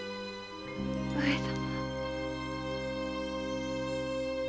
上様。